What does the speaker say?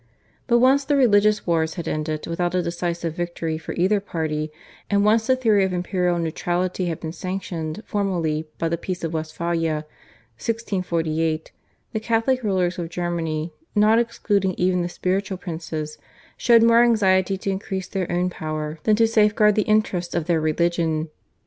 But once the religious wars had ended without a decisive victory for either party, and once the theory of imperial neutrality had been sanctioned formally by the Peace of Westphalia (1648), the Catholic rulers of Germany, not excluding even the spiritual princes, showed more anxiety to increase their own power than to safeguard the interests of their religion.